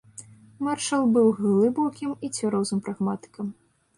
Маршал быў глыбокім і цвярозым прагматыкам.